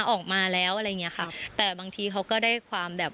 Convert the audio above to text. ออกมาแล้วอะไรอย่างเงี้ยค่ะแต่บางทีเขาก็ได้ความแบบ